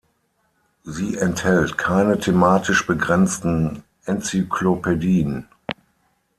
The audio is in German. Sie enthält keine thematisch begrenzten Enzyklopädien.